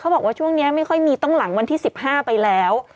บอกว่าช่วงนี้ไม่ค่อยมีต้องหลังวันที่๑๕ไปแล้ว